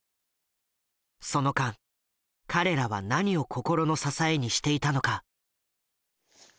その間彼らは何を心の支えにしていたのか？